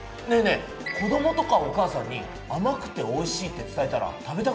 え子どもとかお母さんに「甘くておいしい」って伝えたら食べたくなるんじゃない？